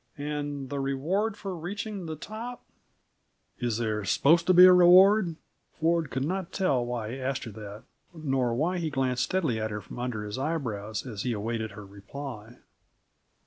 "And the reward for reaching the top " "Is there supposed to be a reward?" Ford could not tell why he asked her that, nor why he glanced stealthily at her from under his eyebrows as he awaited her reply.